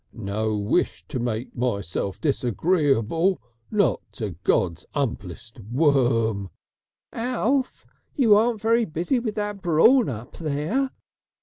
"No wish to make myself disagreeable, not to God's 'umblest worm " "Alf, you aren't very busy with that brawn up there!"